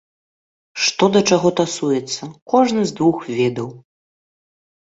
Што да чаго тасуецца, кожны з двух ведаў.